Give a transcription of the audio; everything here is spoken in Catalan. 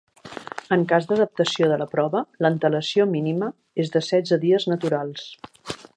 En cas d'adaptació de la prova, l'antelació mínima és de setze dies naturals.